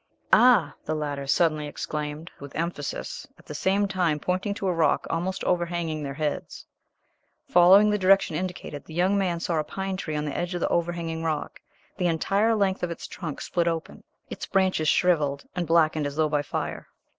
"Ah!" the latter suddenly exclaimed, with emphasis, at the same time pointing to a rock almost overhanging their heads. Following the direction indicated, the young man saw a pine tree on the edge of the overhanging rock, the entire length of its trunk split open, its branches shrivelled and blackened as though by fire.